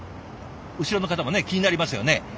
後ろの方もね気になりますよね。